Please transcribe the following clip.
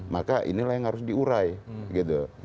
maka inilah yang harus diurai gitu